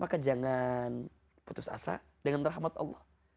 maka jangan putus asa dengan rahmat allah